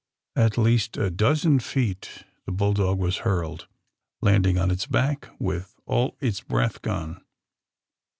At least a dozen feet the bull dog was hurled, landing on its back with all its breath gone.